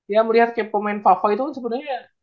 ya melihat kayak pemain favoi itu kan sebenernya